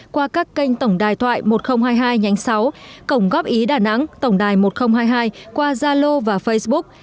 qua các kênh tổng đài thoại một nghìn hai mươi hai nhánh sáu cổng góp ý đà nẵng tổng đài một nghìn hai mươi hai qua zalo và facebook